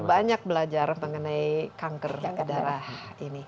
kita sudah banyak belajar mengenai kanker darah ini